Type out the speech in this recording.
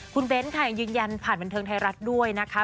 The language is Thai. คุณเบ้นค่ะยังยืนยันผ่านบันเทิงไทยรัฐด้วยนะคะ